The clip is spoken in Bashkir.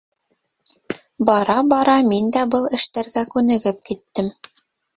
Бара-бара мин дә был эштәргә күнегеп киттем.